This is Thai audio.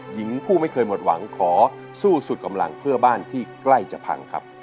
หญิงผู้ไม่เคยหมดหวังขอสู้สุดกำลังเพื่อบ้านที่ใกล้จะพังครับ